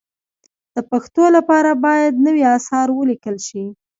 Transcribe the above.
د پښتو لپاره باید نوي اثار ولیکل شي.